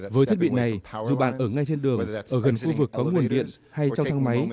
với thiết bị này dù bạn ở ngay trên đường ở gần khu vực có nguồn điện hay trong thang máy